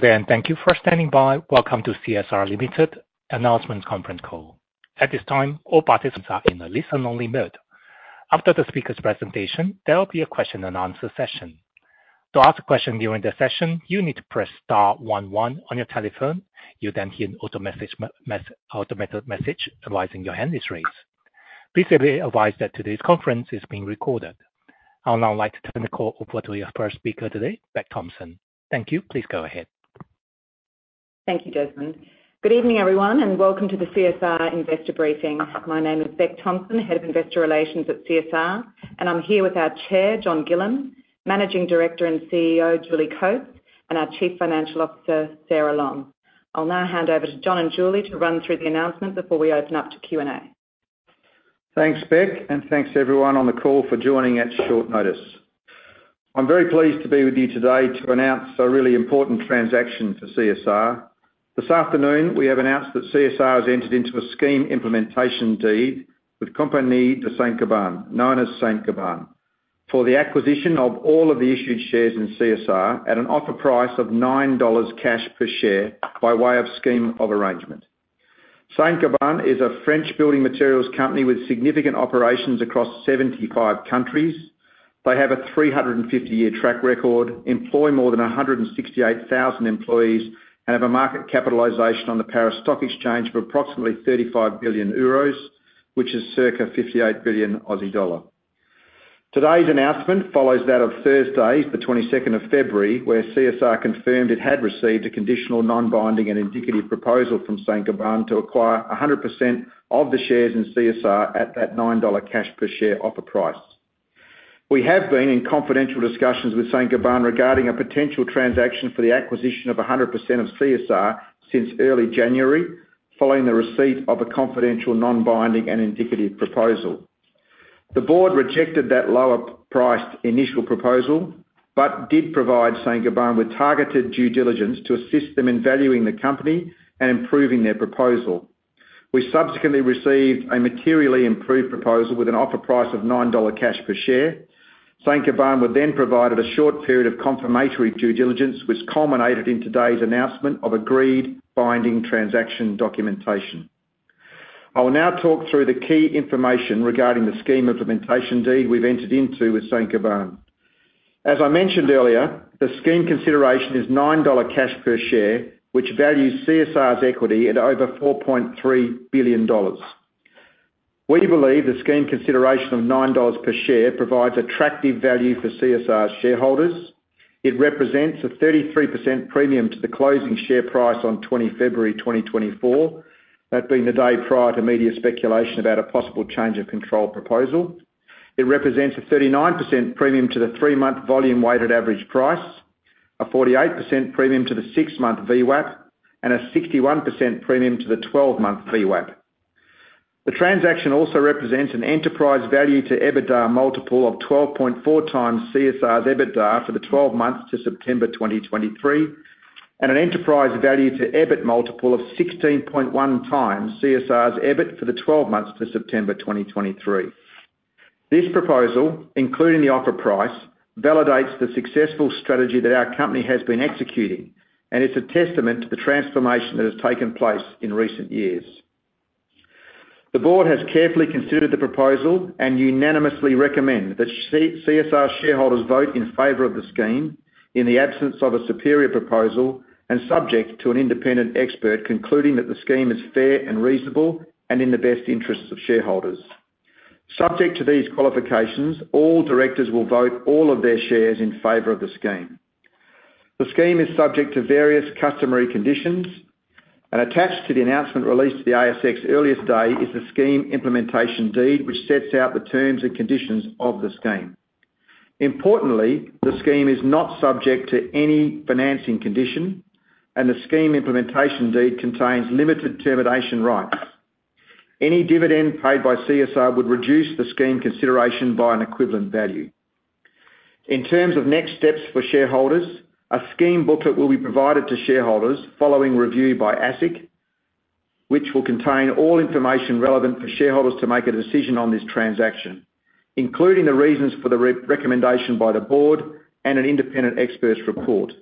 Good day and thank you for standing by. Welcome to CSR Limited announcements conference call. At this time, all participants are in a listen-only mode. After the speaker's presentation, there will be a question-and-answer session. To ask a question during the session, you need to press star 11 on your telephone. You'll then hear an automated message advising your hand is raised. Please be aware that today's conference is being recorded. I would now like to turn the call over to our first speaker today, Bec Thompson. Thank you. Please go ahead. Thank you, Desmond. Good evening, everyone, and welcome to the CSR Investor Briefing. My name is Bec Thompson, Head of Investor Relations at CSR, and I'm here with our chair, John Gillam, Managing Director and CEO, Julie Coates, and our Chief Financial Officer, Sara Lom. I'll now hand over to John and Julie to run through the announcement before we open up to Q&A. Thanks, Bec, and thanks to everyone on the call for joining at short notice. I'm very pleased to be with you today to announce a really important transaction for CSR. This afternoon, we have announced that CSR has entered into a scheme implementation deed with Compagnie de Saint-Gobain, known as Saint-Gobain, for the acquisition of all of the issued shares in CSR at an offer price of 9 dollars cash per share by way of scheme of arrangement. Saint-Gobain is a French building materials company with significant operations across 75 countries. They have a 350-year track record, employ more than 168,000 employees, and have a market capitalization on the Paris Stock Exchange of approximately 35 billion euros, which is circa EUR 58 billion. Today's announcement follows that of Thursday, the 22nd of February, where CSR confirmed it had received a conditional non-binding and indicative proposal from Saint-Gobain to acquire 100% of the shares in CSR at that 9 dollar cash per share offer price. We have been in confidential discussions with Saint-Gobain regarding a potential transaction for the acquisition of 100% of CSR since early January, following the receipt of a confidential non-binding and indicative proposal. The board rejected that lower-priced initial proposal but did provide Saint-Gobain with targeted due diligence to assist them in valuing the company and improving their proposal. We subsequently received a materially improved proposal with an offer price of 9 dollar cash per share. Saint-Gobain were then provided a short period of confirmatory due diligence, which culminated in today's announcement of agreed binding transaction documentation. I will now talk through the key information regarding the Scheme Implementation Deed we've entered into with Saint-Gobain. As I mentioned earlier, the scheme consideration is 9 dollar cash per share, which values CSR's equity at over 4.3 billion dollars. We believe the scheme consideration of 9 dollars per share provides attractive value for CSR's shareholders. It represents a 33% premium to the closing share price on 20 February 2024, that being the day prior to media speculation about a possible change of control proposal. It represents a 39% premium to the three-month volume weighted average price, a 48% premium to the six-month VWAP, and a 61% premium to the 12-month VWAP. The transaction also represents an enterprise value-to-EBITDA multiple of 12.4x CSR's EBITDA for the 12 months to September 2023, and an enterprise value-to-EBIT multiple of 16.1x CSR's EBIT for the 12 months to September 2023. This proposal, including the offer price, validates the successful strategy that our company has been executing, and it's a testament to the transformation that has taken place in recent years. The board has carefully considered the proposal and unanimously recommend that CSR shareholders vote in favor of the scheme in the absence of a superior proposal and subject to an independent expert concluding that the scheme is fair and reasonable and in the best interests of shareholders. Subject to these qualifications, all directors will vote all of their shares in favor of the scheme. The scheme is subject to various customary conditions, and attached to the announcement released to the ASX earlier today is the scheme implementation deed, which sets out the terms and conditions of the scheme. Importantly, the scheme is not subject to any financing condition, and the scheme implementation deed contains limited termination rights. Any dividend paid by CSR would reduce the scheme consideration by an equivalent value. In terms of next steps for shareholders, a scheme booklet will be provided to shareholders following review by ASIC, which will contain all information relevant for shareholders to make a decision on this transaction, including the reasons for the recommendation by the board and an independent expert's report.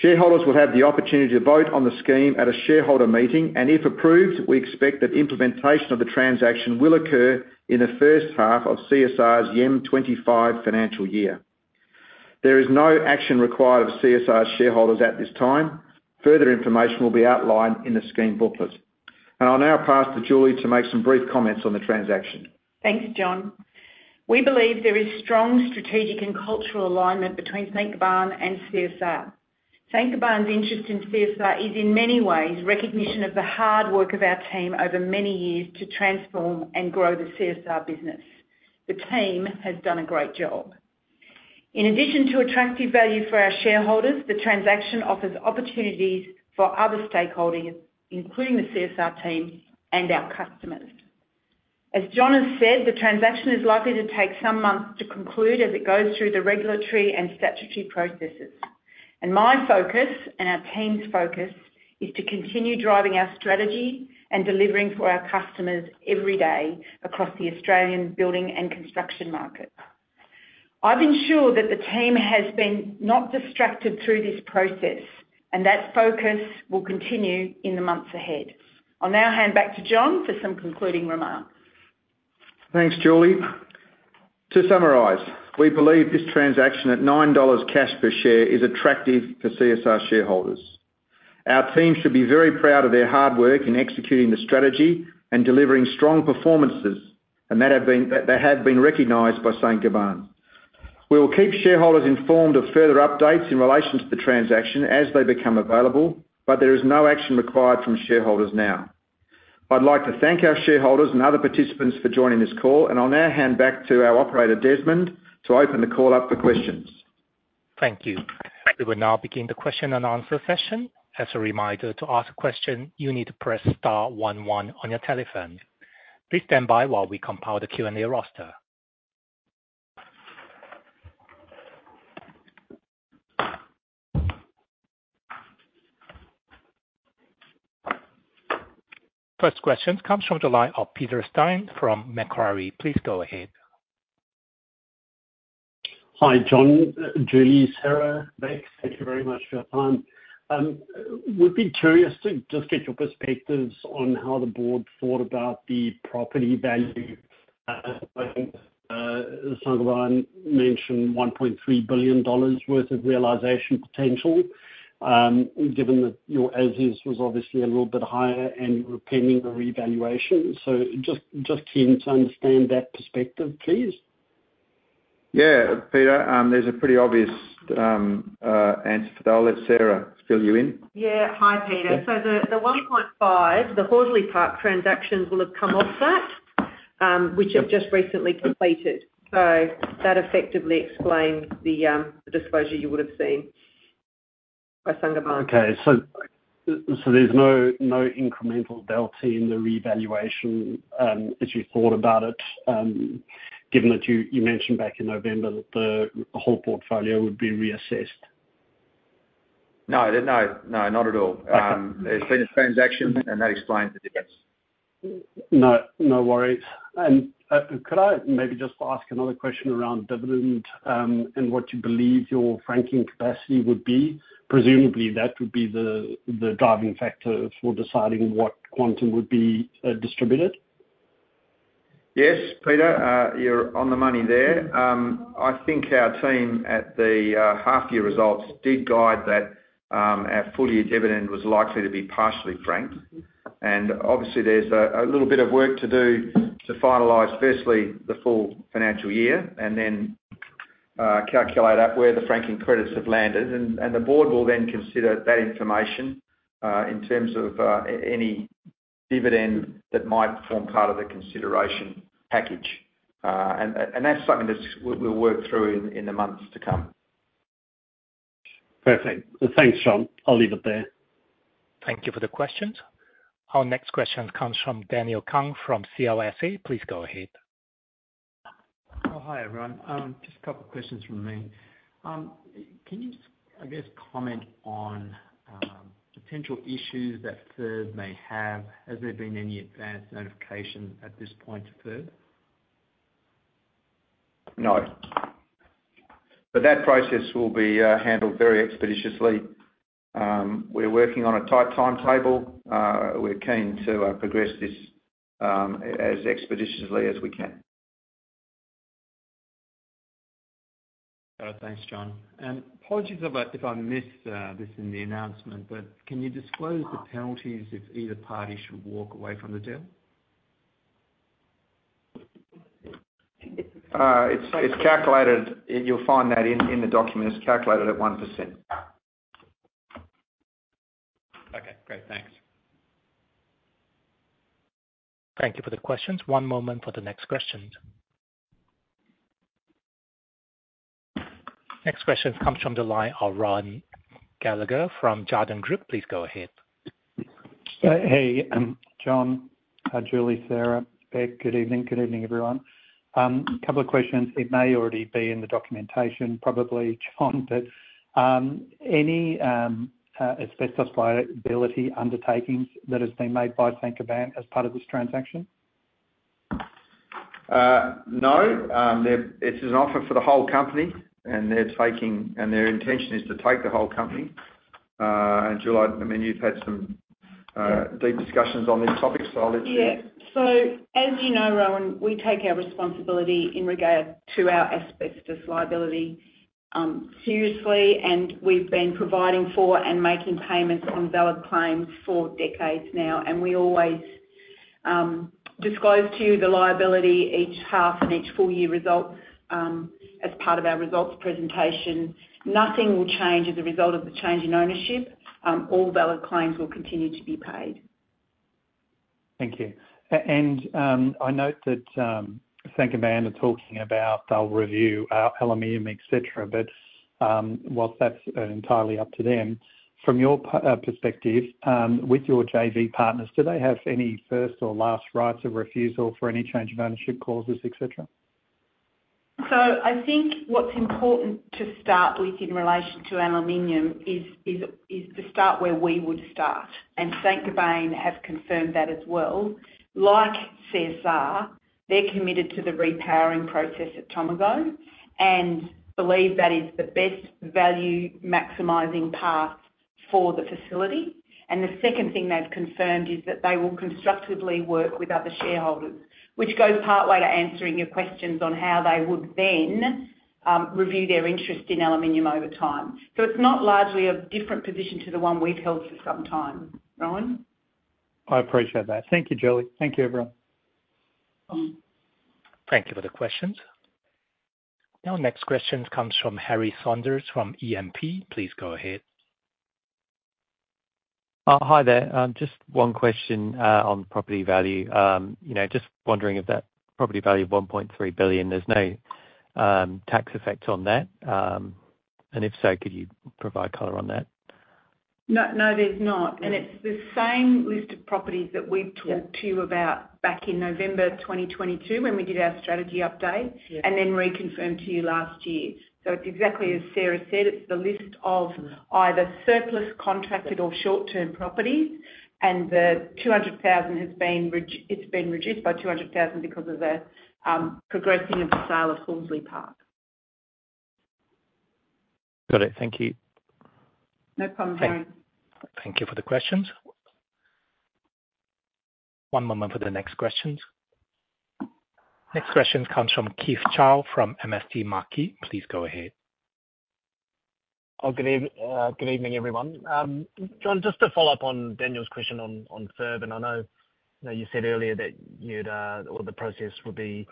Shareholders will have the opportunity to vote on the scheme at a shareholder meeting, and if approved, we expect that implementation of the transaction will occur in the first half of CSR's FY25 financial year. There is no action required of CSR's shareholders at this time. Further information will be outlined in the scheme booklet. I'll now pass to Julie to make some brief comments on the transaction. Thanks, John. We believe there is strong strategic and cultural alignment between Saint-Gobain and CSR. Saint-Gobain's interest in CSR is, in many ways, recognition of the hard work of our team over many years to transform and grow the CSR business. The team has done a great job. In addition to attractive value for our shareholders, the transaction offers opportunities for other stakeholders, including the CSR team and our customers. As John has said, the transaction is likely to take some months to conclude as it goes through the regulatory and statutory processes. My focus and our team's focus is to continue driving our strategy and delivering for our customers every day across the Australian building and construction market. I've been sure that the team has been not distracted through this process, and that focus will continue in the months ahead. I'll now hand back to John for some concluding remarks. Thanks, Julie. To summarize, we believe this transaction at 9 dollars cash per share is attractive for CSR shareholders. Our team should be very proud of their hard work in executing the strategy and delivering strong performances, and they have been recognized by Saint-Gobain. We will keep shareholders informed of further updates in relation to the transaction as they become available, but there is no action required from shareholders now. I'd like to thank our shareholders and other participants for joining this call, and I'll now hand back to our operator, Desmond, to open the call up for questions. Thank you. We will now begin the question-and-answer session. As a reminder, to ask a question, you need to press star 11 on your telephone. Please stand by while we compile the Q&A roster. First question comes from the line of Peter Steyn from Macquarie. Please go ahead. Hi, John, Julie, Sara, Beck. Thank you very much for your time. We'd be curious to just get your perspectives on how the board thought about the property value. Saint-Gobain mentioned 1.3 billion dollars worth of realization potential, given that your as-is was obviously a little bit higher and you're pending a revaluation. So just keen to understand that perspective, please. Yeah, Peter, there's a pretty obvious answer for that. I'll let Sara fill you in. Yeah. Hi, Peter. So the 1.5, the Horsley Park transactions will have come off that, which have just recently completed. So that effectively explains the disclosure you would have seen by Saint-Gobain. Okay. So there's no incremental delta in the revaluation as you thought about it, given that you mentioned back in November that the whole portfolio would be reassessed? No, no, no, not at all. There's been a transaction, and that explains the difference. No worries. Could I maybe just ask another question around dividend and what you believe your franking capacity would be? Presumably, that would be the driving factor for deciding what quantum would be distributed. Yes, Peter, you're on the money there. I think our team at the half-year results did guide that our full-year dividend was likely to be partially franked. And obviously, there's a little bit of work to do to finalize, firstly, the full financial year and then calculate up where the franking credits have landed. And the board will then consider that information in terms of any dividend that might form part of the consideration package. And that's something that we'll work through in the months to come. Perfect. Thanks, John. I'll leave it there. Thank you for the questions. Our next question comes from Daniel Kang from CLSA. Please go ahead. Oh, hi, everyone. Just a couple of questions from me. Can you, I guess, comment on potential issues that FIRB may have? Has there been any advanced notification at this point to FIRB? No. But that process will be handled very expeditiously. We're working on a tight timetable. We're keen to progress this as expeditiously as we can. Got it. Thanks, John. Apologies if I missed this in the announcement, but can you disclose the penalties if either party should walk away from the deal? You'll find that in the document. It's calculated at 1%. Okay. Great. Thanks. Thank you for the questions. One moment for the next questions. Next question comes from the line of Rohan Gallagher from Jarden Group. Please go ahead. Hey, John, Julie, Sara, Beck. Good evening. Good evening, everyone. A couple of questions. It may already be in the documentation, probably, John, but any asbestos liability undertakings that have been made by Saint-Gobain as part of this transaction? No. It's an offer for the whole company, and their intention is to take the whole company. Julie, I mean, you've had some deep discussions on this topic, so I'll let you. Yeah. So as you know, Rowan, we take our responsibility in regard to our asbestos liability seriously, and we've been providing for and making payments on valid claims for decades now. We always disclose to you the liability each half and each full-year result as part of our results presentation. Nothing will change as a result of the change in ownership. All valid claims will continue to be paid. Thank you. I note that Saint-Gobain are talking about they'll review aluminum, etc., but while that's entirely up to them, from your perspective, with your JV partners, do they have any first or last rights of refusal for any change of ownership causes, etc.? So I think what's important to start with in relation to aluminum is to start where we would start. And Saint-Gobain have confirmed that as well. Like CSR, they're committed to the repowering process at Tomago and believe that is the best value-maximizing path for the facility. And the second thing they've confirmed is that they will constructively work with other shareholders, which goes partway to answering your questions on how they would then review their interest in aluminum over time. So it's not largely a different position to the one we've held for some time, Rowan. I appreciate that. Thank you, Julie. Thank you, everyone. Thank you for the questions. Our next question comes from Harry Saunders from E&P. Please go ahead. Hi there. Just one question on property value. Just wondering if that property value of 1.3 billion, there's no tax effect on that? And if so, could you provide color on that? No, there's not. It's the same list of properties that we've talked to you about back in November 2022 when we did our strategy update and then reconfirmed to you last year. It's exactly as Sara said. It's the list of either surplus contracted or short-term properties, and it's been reduced by 200,000 because of the progressing of the sale of Horsley Park. Got it. Thank you. No problem, Rowan. Thank you for the questions. One moment for the next questions. Next question comes from Keith Chau from MST Marquee. Please go ahead. Good evening, everyone. John, just to follow up on Daniel's question on FIRB, and I know you said earlier that all the process would be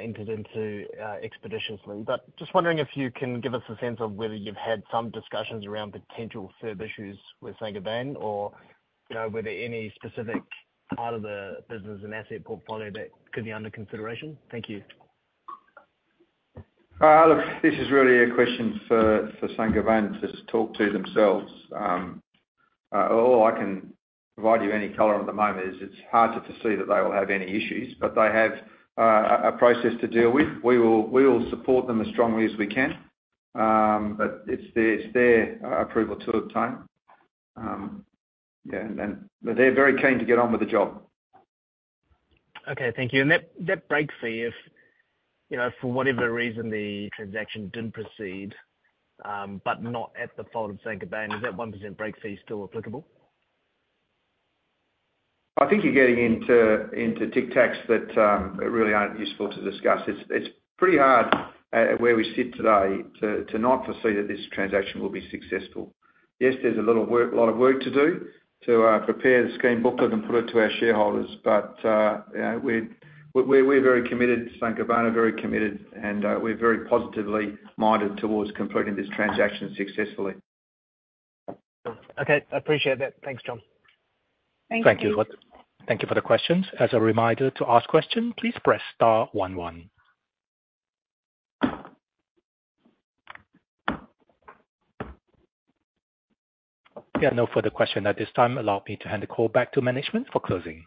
entered into expeditiously, but just wondering if you can give us a sense of whether you've had some discussions around potential FIRB issues with Saint-Gobain or whether any specific part of the business and asset portfolio that could be under consideration? Thank you. Look, this is really a question for Saint-Gobain to talk to themselves. All I can provide you any color on at the moment is it's hard to foresee that they will have any issues, but they have a process to deal with. We will support them as strongly as we can, but it's their approval to obtain. Yeah. And they're very keen to get on with the job. Okay. Thank you. That break fee, if for whatever reason the transaction didn't proceed but not at the fault of Saint-Gobain, is that 1% break fee still applicable? I think you're getting into tick-tacs that really aren't useful to discuss. It's pretty hard at where we sit today to not foresee that this transaction will be successful. Yes, there's a lot of work to do to prepare the scheme booklet and put it to our shareholders, but we're very committed to Saint-Gobain, are very committed, and we're very positively minded towards completing this transaction successfully. Okay. I appreciate that. Thanks, John. Thank you. Thank you for the questions. As a reminder to ask questions, please press star 11. Yeah. No further question at this time. Allow me to hand the call back to management for closing.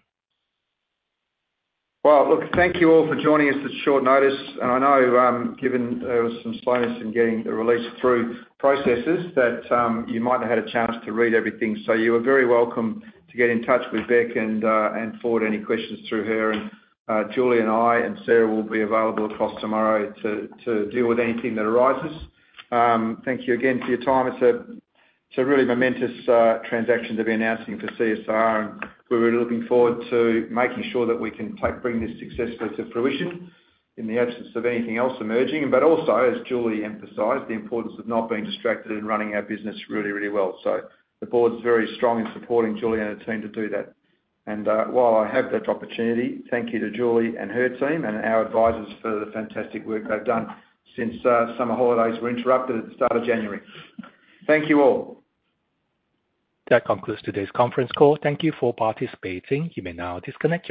Well, look, thank you all for joining us at short notice. I know, given there was some slowness in getting the release through processes, that you might have had a chance to read everything. You are very welcome to get in touch with Beck and forward any questions through her. Julie and I and Sara will be available across tomorrow to deal with anything that arises. Thank you again for your time. It's a really momentous transaction to be announcing for CSR, and we're really looking forward to making sure that we can bring this successfully to fruition in the absence of anything else emerging. But also, as Julie emphasized, the importance of not being distracted in running our business really, really well. The board's very strong in supporting Julie and her team to do that. While I have that opportunity, thank you to Julie and her team and our advisers for the fantastic work they've done since summer holidays were interrupted at the start of January. Thank you all. That concludes today's conference call. Thank you for participating. You may now disconnect.